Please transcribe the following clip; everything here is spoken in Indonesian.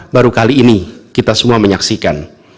baru kali ini kita semua menyaksikan